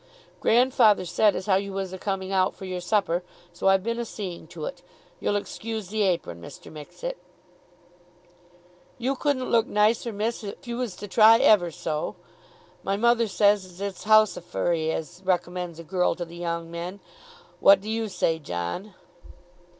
"Grandfather said as how you was a coming out for your supper, so I've been a seeing to it. You'll excuse the apron, Mr. Mixet." "You couldn't look nicer, miss, if you was to try it ever so. My mother says as it's housifery as recommends a girl to the young men. What do you say, John?"